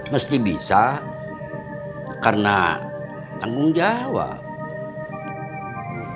mesti bisa karena tanggung jawab